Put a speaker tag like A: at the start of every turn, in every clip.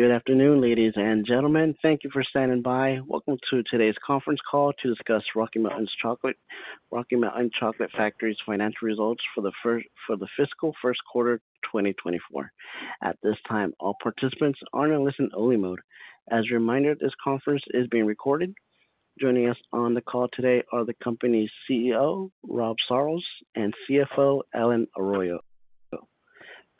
A: Good afternoon, ladies and gentlemen. Thank you for standing by. Welcome to today's conference call to discuss Rocky Mountain Chocolate Factory's Financial Results for the Fiscal First Quarter, 2024. At this time, all participants are in listen-only mode. As a reminder, this conference is being recorded. Joining us on the call today are the company's CEO, Rob Sarlls, and CFO, Allen Arroyo.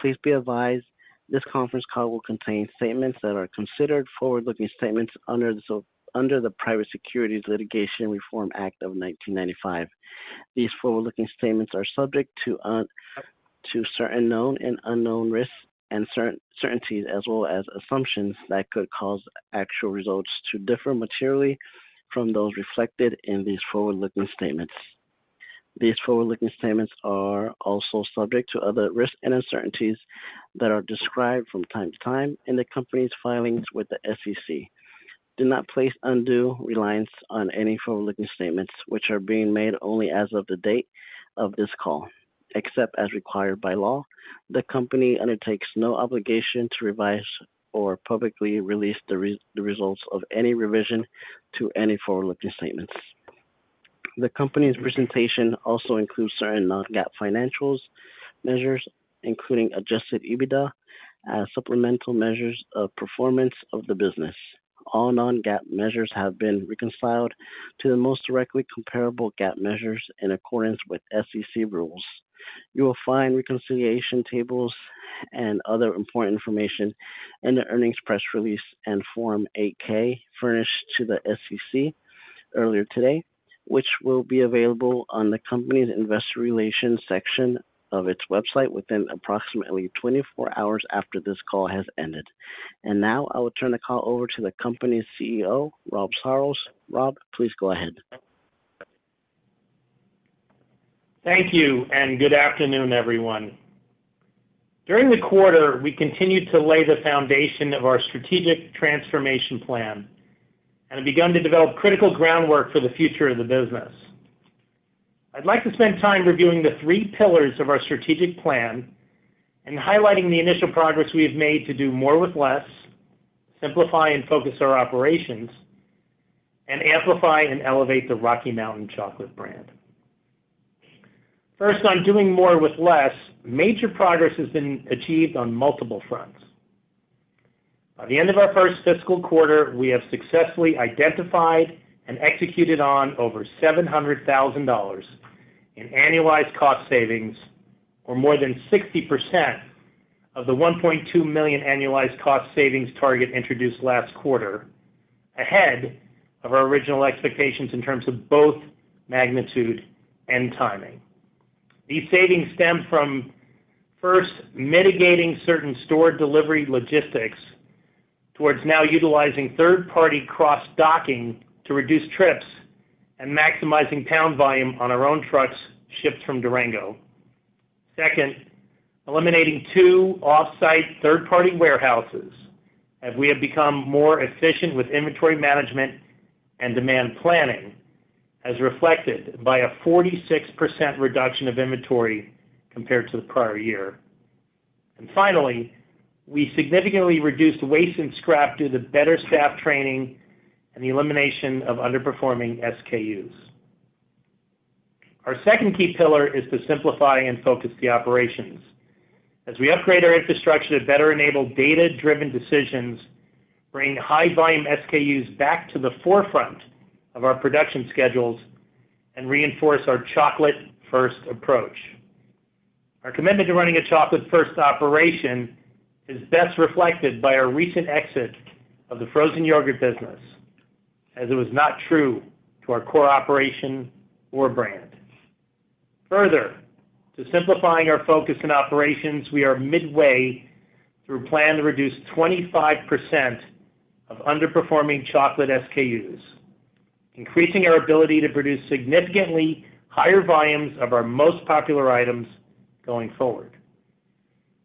A: Please be advised, this conference call will contain statements that are considered forward-looking statements under the Private Securities Litigation Reform Act of 1995. These forward-looking statements are subject to certain known and unknown risks and uncertainties, as well as assumptions that could cause actual results to differ materially from those reflected in these forward-looking statements. These forward-looking statements are also subject to other risks and uncertainties that are described from time to time in the company's filings with the SEC. Do not place undue reliance on any forward-looking statements, which are being made only as of the date of this call. Except as required by law, the company undertakes no obligation to revise or publicly release the results of any revision to any forward-looking statements. The company's presentation also includes certain non-GAAP financials measures, including adjusted EBITDA, as supplemental measures of performance of the business. All non-GAAP measures have been reconciled to the most directly comparable GAAP measures in accordance with SEC rules. You will find reconciliation tables and other important information in the earnings press release and Form 8-K furnished to the SEC earlier today, which will be available on the company's investor relations section of its website within approximately 24 hours after this call has ended. Now, I will turn the call over to the company's CEO Rob Sarlls. Rob, please go ahead.
B: Thank you, good afternoon, everyone. During the quarter, we continued to lay the foundation of our strategic transformation plan and have begun to develop critical groundwork for the future of the business. I'd like to spend time reviewing the three pillars of our strategic plan and highlighting the initial progress we have made to do more with less, simplify and focus our operations, and amplify and elevate the Rocky Mountain Chocolate brand. First, on doing more with less, major progress has been achieved on multiple fronts. By the end of our first fiscal quarter, we have successfully identified and executed on over $700 thousand in annualized cost savings, or more than 60% of the $1.2 million annualized cost savings target introduced last quarter, ahead of our original expectations in terms of both magnitude and timing. These savings stem from, first, mitigating certain store delivery logistics towards now utilizing third-party cross-docking to reduce trips and maximizing pound volume on our own trucks shipped from Durango. Second, eliminating two off-site, third-party warehouses as we have become more efficient with inventory management and demand planning, as reflected by a 46% reduction of inventory compared to the prior year. Finally, we significantly reduced waste and scrap due to better staff training and the elimination of underperforming SKUs. Our second key pillar is to simplify and focus the operations. We upgrade our infrastructure to better enable data-driven decisions, bring high volume SKUs back to the forefront of our production schedules, and reinforce our chocolate-first approach. Our commitment to running a chocolate-first operation is best reflected by our recent exit of the frozen yogurt business, as it was not true to our core operation or brand. Further, to simplifying our focus and operations, we are midway through a plan to reduce 25% of underperforming chocolate SKUs, increasing our ability to produce significantly higher volumes of our most popular items going forward.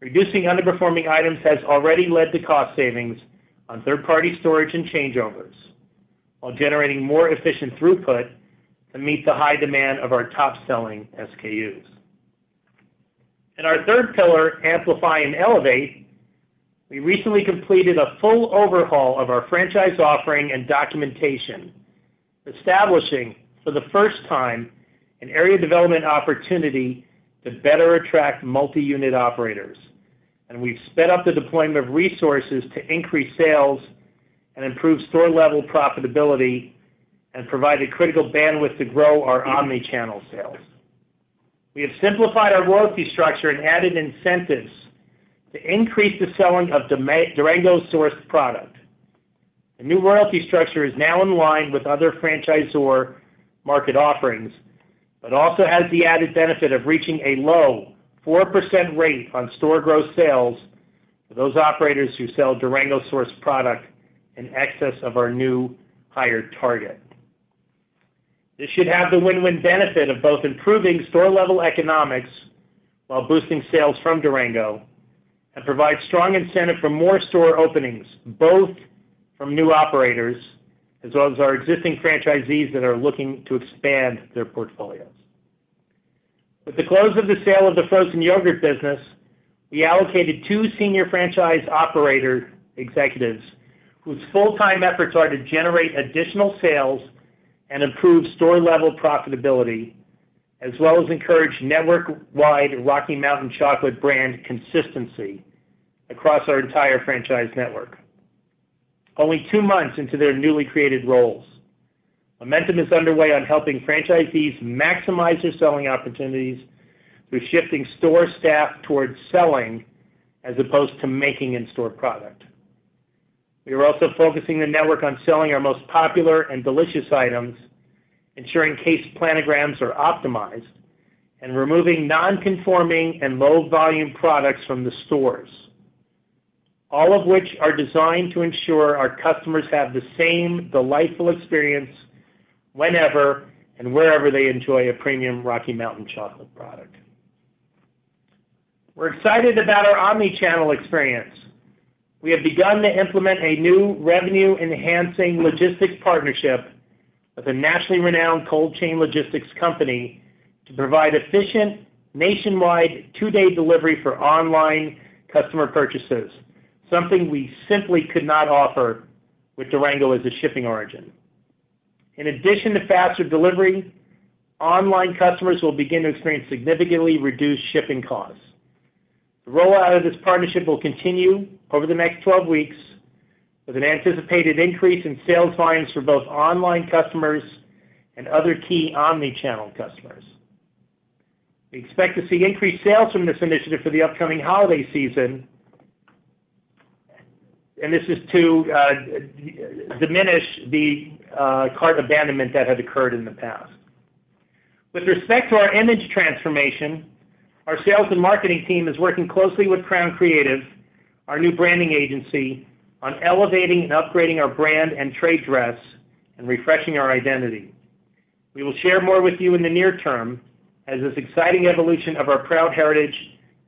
B: Reducing underperforming items has already led to cost savings on third-party storage and changeovers, while generating more efficient throughput to meet the high demand of our top-selling SKUs. In our third pillar, amplify and elevate, we recently completed a full overhaul of our franchise offering and documentation, establishing, for the first time, an area development opportunity to better attract multi-unit operators. We've sped up the deployment of resources to increase sales and improve store-level profitability and provide a critical bandwidth to grow our omni-channel sales. We have simplified our royalty structure and added incentives to increase the selling of Durango-sourced product. The new royalty structure is now in line with other franchisor market offerings, but also has the added benefit of reaching a low 4% rate on store growth sales for those operators who sell Durango-sourced product in excess of our new higher target. This should have the win-win benefit of both improving store-level economics while boosting sales from Durango, and provide strong incentive for more store openings, both from new operators as well as our existing franchisees that are looking to expand their portfolios. With the close of the sale of the frozen yogurt business, we allocated two senior franchise operator executives, whose full-time efforts are to generate additional sales and improve store-level profitability, as well as encourage network-wide Rocky Mountain Chocolate brand consistency across our entire franchise network. Only two months into their newly created roles, momentum is underway on helping franchisees maximize their selling opportunities through shifting store staff towards selling, as opposed to making in-store product. We are also focusing the network on selling our most popular and delicious items, ensuring case planograms are optimized, and removing non-conforming and low-volume products from the stores, all of which are designed to ensure our customers have the same delightful experience whenever and wherever they enjoy a premium Rocky Mountain Chocolate product. We're excited about our omni-channel experience. We have begun to implement a new revenue-enhancing logistics partnership with a nationally renowned cold chain logistics company to provide efficient, nationwide, two-day delivery for online customer purchases, something we simply could not offer with Durango as a shipping origin. In addition to faster delivery, online customers will begin to experience significantly reduced shipping costs. The rollout of this partnership will continue over the next 12 weeks, with an anticipated increase in sales volumes for both online customers and other key omni-channel customers. We expect to see increased sales from this initiative for the upcoming holiday season, and this is to diminish the cart abandonment that had occurred in the past. With respect to our image transformation, our sales and marketing team is working closely with Crown Creative, our new branding agency, on elevating and upgrading our brand and trade dress and refreshing our identity. We will share more with you in the near term, as this exciting evolution of our proud heritage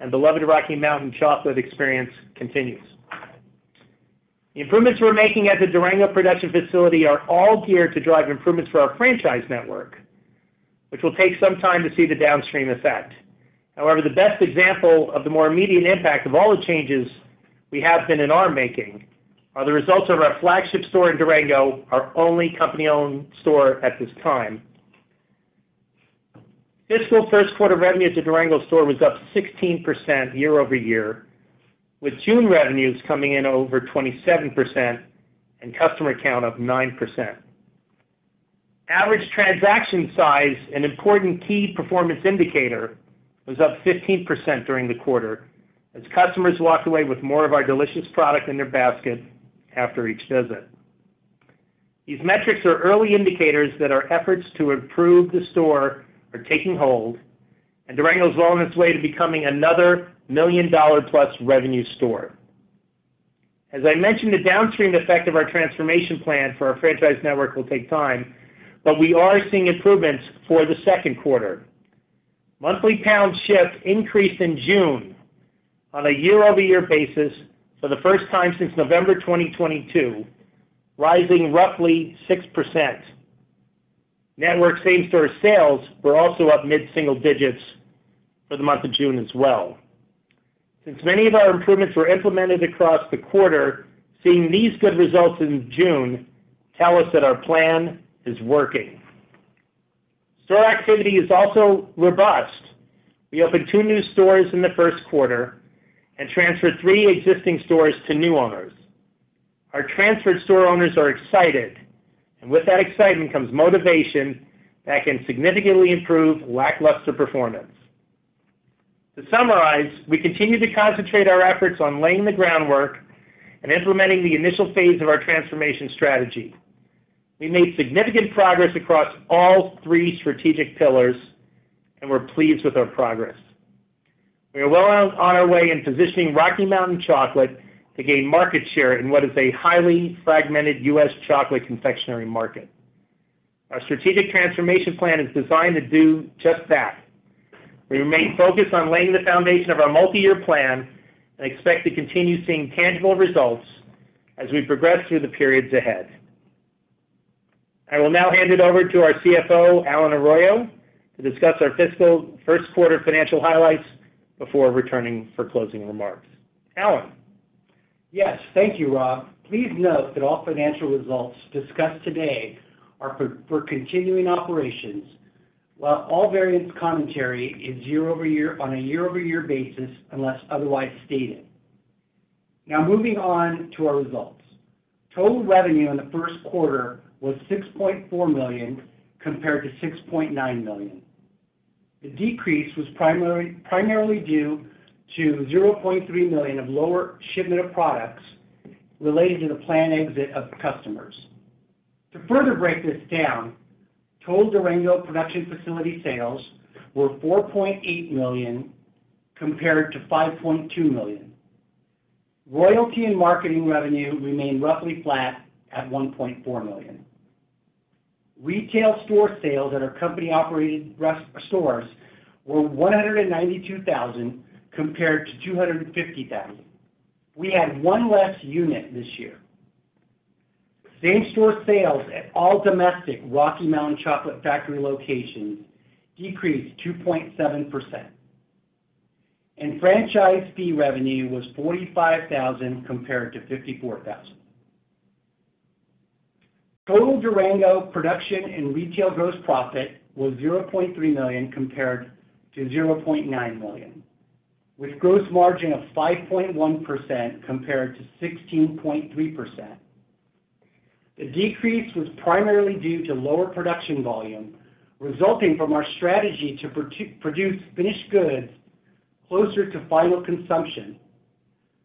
B: and beloved Rocky Mountain Chocolate experience continues. The improvements we're making at the Durango production facility are all geared to drive improvements for our franchise network, which will take some time to see the downstream effect. The best example of the more immediate impact of all the changes we have been and are making are the results of our flagship store in Durango, our only company-owned store at this time. Fiscal first quarter revenue at the Durango store was up 16% year-over-year, with June revenues coming in over 27% and customer count up 9%. Average transaction size, an important key performance indicator, was up 15% during the quarter as customers walked away with more of our delicious product in their basket after each visit. These metrics are early indicators that our efforts to improve the store are taking hold, and Durango is well on its way to becoming another million-dollar-plus revenue store. As I mentioned, the downstream effect of our transformation plan for our franchise network will take time, we are seeing improvements for the second quarter. Monthly pound ship increased in June on a year-over-year basis for the first time since November 2022, rising roughly 6%. Network same-store sales were also up mid-single digits for the month of June as well. Since many of our improvements were implemented across the quarter, seeing these good results in June tell us that our plan is working. Store activity is also robust. We opened two new stores in the first quarter and transferred three existing stores to new owners. Our transferred store owners are excited, with that excitement comes motivation that can significantly improve lackluster performance. To summarize, we continue to concentrate our efforts on laying the groundwork and implementing the initial phase of our transformation strategy. We made significant progress across all three strategic pillars, we're pleased with our progress. We are well on our way in positioning Rocky Mountain Chocolate to gain market share in what is a highly fragmented U.S. chocolate confectionery market. Our strategic transformation plan is designed to do just that. We remain focused on laying the foundation of our multi-year plan and expect to continue seeing tangible results as we progress through the periods ahead. I will now hand it over to our CFO, Allen Arroyo, to discuss our fiscal first quarter financial highlights before returning for closing remarks. Allen?
C: Yes. Thank you, Rob. Please note that all financial results discussed today are for continuing operations, while all variance commentary is on a year-over-year basis, unless otherwise stated. Moving on to our results. Total revenue in the first quarter was $6.4 million, compared to $6.9 million. The decrease was primarily due to $0.3 million of lower shipment of products related to the planned exit of customers. To further break this down, total Durango production facility sales were $4.8 million, compared to $5.2 million. Royalty and marketing revenue remained roughly flat at $1.4 million. Retail store sales at our company-operated rest stores were $192,000, compared to $250,000. We had one less unit this year. Same-store sales at all domestic Rocky Mountain Chocolate Factory locations decreased 2.7%. franchise fee revenue was $45,000 compared to $54,000. Total Durango production and retail gross profit was $0.3 million compared to $0.9 million, with gross margin of 5.1% compared to 16.3%. The decrease was primarily due to lower production volume, resulting from our strategy to produce finished goods closer to final consumption,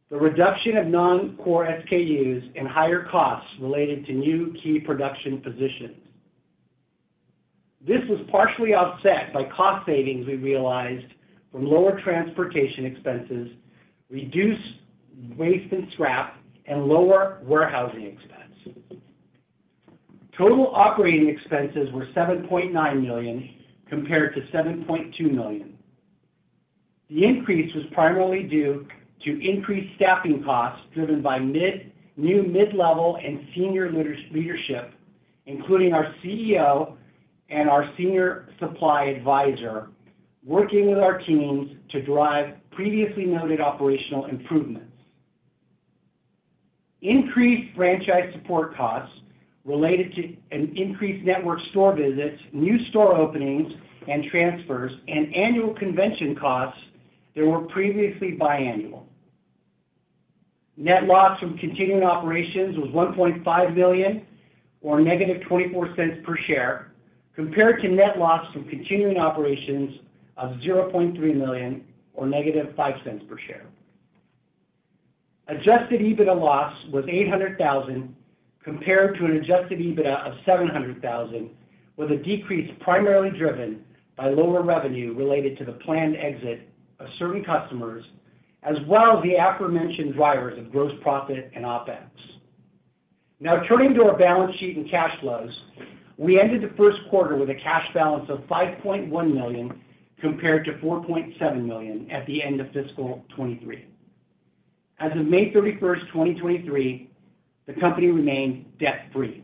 C: the reduction of non-core SKUs, and higher costs related to new key production positions. This was partially offset by cost savings we realized from lower transportation expenses, reduced waste and scrap, and lower warehousing expense. Total operating expenses were $7.9 million compared to $7.2 million. The increase was primarily due to increased staffing costs driven by new mid-level and senior leadership, including our CEO and our senior supply advisor, working with our teams to drive previously noted operational improvements. Increased franchise support costs related to an increased network store visits, new store openings and transfers, and annual convention costs that were previously biannual. Net loss from continuing operations was $1.5 million, or -$0.24 per share, compared to net loss from continuing operations of $0.3 million, or -$0.05 per share. Adjusted EBITDA loss was $800,000 compared to an Adjusted EBITDA of $700,000, with a decrease primarily driven by lower revenue related to the planned exit of certain customers, as well as the aforementioned drivers of gross profit and OpEx. Turning to our balance sheet and cash flows. We ended the first quarter with a cash balance of $5.1 million compared to $4.7 million at the end of fiscal 2023. As of May 31, 2023, the company remained debt-free.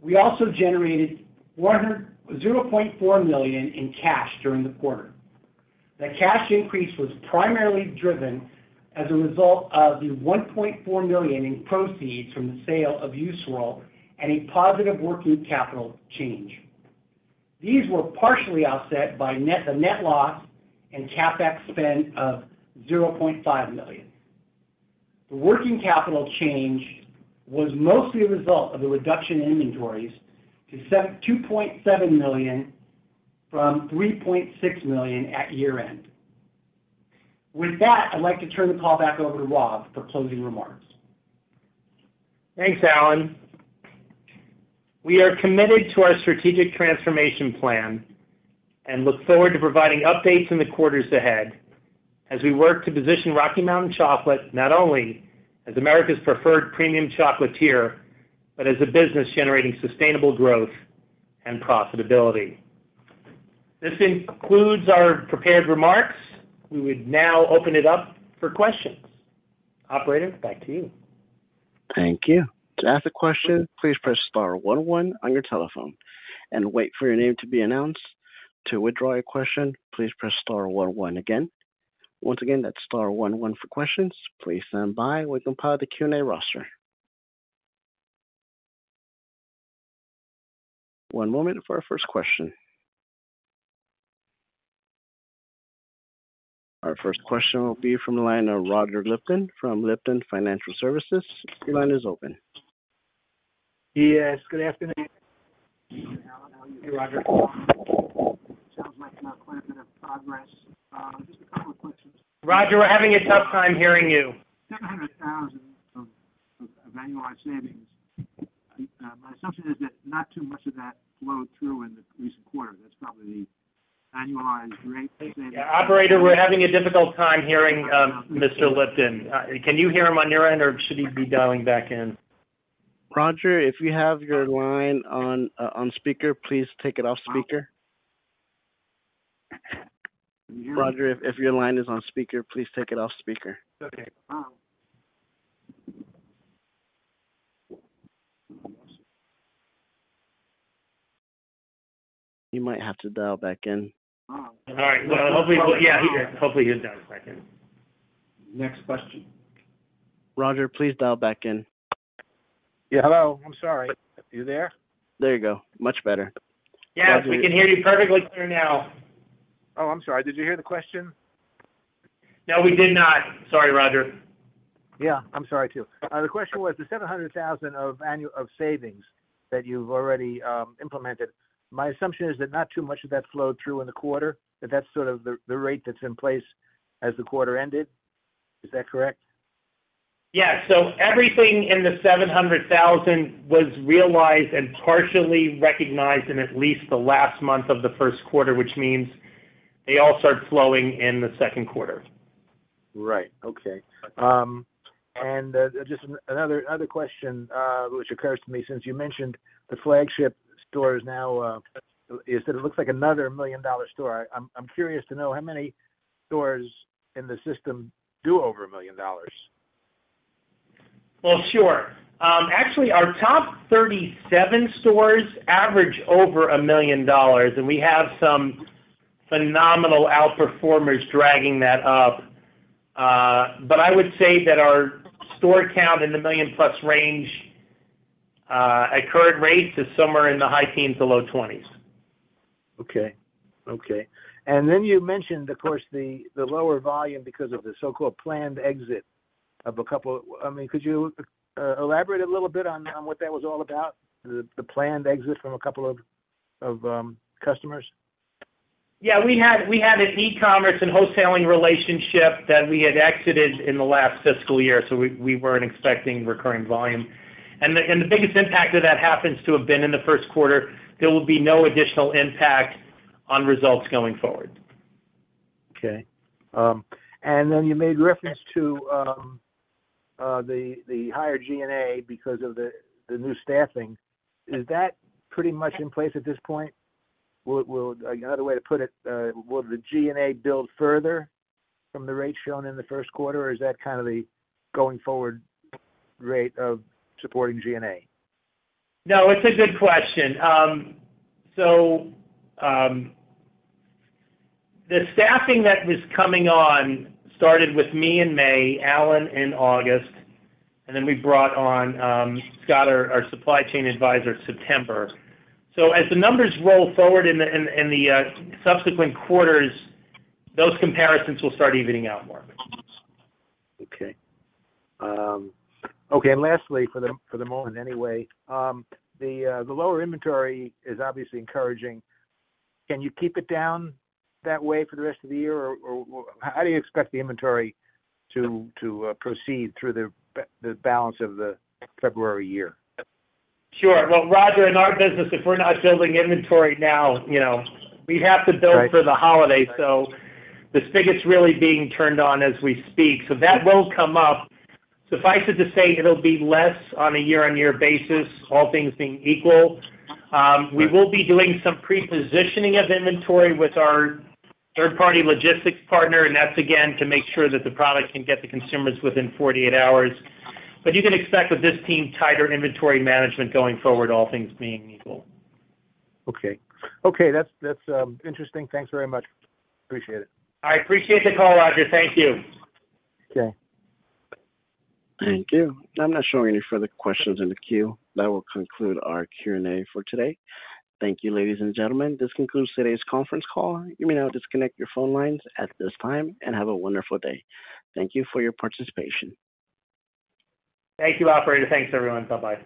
C: We also generated $0.4 million in cash during the quarter. The cash increase was primarily driven as a result of the $1.4 million in proceeds from the sale of U-Swirl and a positive working capital change. These were partially offset by the net loss and CapEx spend of $0.5 million. The working capital change was mostly a result of the reduction in inventories to $2.7 million from $3.6 million at year-end. With that, I'd like to turn the call back over to Rob for closing remarks.
B: Thanks, Allen. We are committed to our strategic transformation plan and look forward to providing updates in the quarters ahead as we work to position Rocky Mountain Chocolate, not only as America's preferred premium chocolatier, but as a business generating sustainable growth and profitability. This concludes our prepared remarks. We would now open it up for questions. Operator, back to you.
A: Thank you. To ask a question, please press star one one on your telephone and wait for your name to be announced. To withdraw your question, please press star one one again. Once again, that's star one one for questions. Please stand by while we compile the Q&A roster. One moment for our first question. Our first question will be from the line of Roger Lipton from Lipton Financial Services. Your line is open.
D: Yes, good afternoon.
C: Hey, Roger.
B: Roger, we're having a tough time hearing you.
D: $700,000 of annualized savings. My assumption is that not too much of that flowed through in the recent quarter. That's probably the annualized rate.
B: Yeah, Operator, we're having a difficult time hearing, Mr. Lipton. Can you hear him on your end, or should he be dialing back in?
A: Roger, if you have your line on speaker, please take it off speaker. Roger, if your line is on speaker, please take it off speaker.
D: Okay.
A: You might have to dial back in.
B: All right. Well, hopefully, yeah, hopefully, he's dialed back in. Next question.
A: Roger, please dial back in.
D: Yeah. Hello. I'm sorry. You there?
A: There you go. Much better.
B: Yes, we can hear you perfectly clear now.
D: Oh, I'm sorry. Did you hear the question?
B: No, we did not. Sorry, Roger.
D: I'm sorry, too. The question was the $700,000 of annual savings that you've already implemented. My assumption is that not too much of that flowed through in the quarter, that's sort of the rate that's in place as the quarter ended. Is that correct?
B: Everything in the $700,000 was realized and partially recognized in at least the last month of the first quarter, which means they all start flowing in the second quarter.
D: Right. Okay. Just another question, which occurs to me, since you mentioned the flagship store is now, is that it looks like another million-dollar store. I'm curious to know how many stores in the system do over $1 million?
B: Well, sure. Actually, our top 37 stores average over $1 million, and we have some phenomenal outperformers dragging that up. I would say that our store count in the million-plus range, at current rates, is somewhere in the high teens to low twenties.
D: Okay. Okay. Then you mentioned, of course, the lower volume because of the so-called planned exit of. I mean, could you elaborate a little bit on what that was all about, the planned exit from a couple of customers?
B: Yeah, we had an e-commerce and wholesaling relationship that we had exited in the last fiscal year, so we weren't expecting recurring volume. The biggest impact of that happens to have been in the first quarter. There will be no additional impact on results going forward.
D: Okay. You made reference to the higher G&A because of the new staffing. Is that pretty much in place at this point? Will another way to put it, will the G&A build further from the rates shown in the first quarter, or is that kind of the going forward rate of supporting G&A?
B: It's a good question. The staffing that was coming on started with me in May, Allen in August, and then we brought on Scott, our supply chain advisor, September. As the numbers roll forward in the subsequent quarters, those comparisons will start evening out more.
D: Okay. Okay, lastly, for the moment, anyway, the lower inventory is obviously encouraging. Can you keep it down that way for the rest of the year, or how do you expect the inventory to proceed through the balance of the February year?
B: Sure. Well, Roger, in our business, if we're not building inventory now, you know, we'd have to.
D: Right
B: for the holiday, the spigot's really being turned on as we speak, that will come up. Suffice it to say, it'll be less on a year-on-year basis, all things being equal. We will be doing some pre-positioning of inventory with our third-party logistics partner, and that's, again, to make sure that the product can get to consumers within 48 hours. You can expect with this team, tighter inventory management going forward, all things being equal.
D: Okay. Okay, that's interesting. Thanks very much. Appreciate it.
B: I appreciate the call, Roger. Thank you.
D: Okay.
A: Thank you. I'm not showing any further questions in the queue. That will conclude our Q&A for today. Thank you, ladies and gentlemen. This concludes today's conference call. You may now disconnect your phone lines at this time. Have a wonderful day. Thank you for your participation.
B: Thank you, operator. Thanks, everyone. Bye-bye.